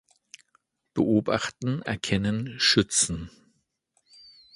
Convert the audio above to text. Beobachten, Erkennen, Schützen".